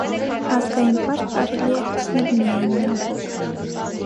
Ազգային պարկ կարելի է հասնել միայն նավով։